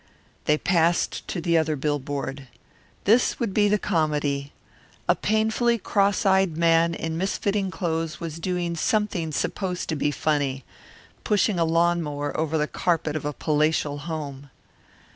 They passed to the other billboard. This would be the comedy. A painfully cross eyed man in misfitting clothes was doing something supposed to be funny pushing a lawn mower over the carpet of a palatial home.